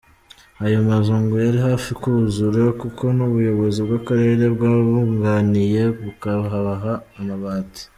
Ayo mazu ngo ari hafi kuzura kuko n’ubuyobozi bw’Akarere bwabunganiye bukabaha amabati.